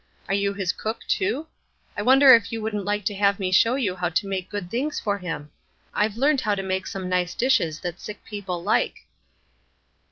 Are you his cook, too? I wonder if you wouldn't like to have me show you how to make good things for him? I've learned how to make some nice dishes that sick people like."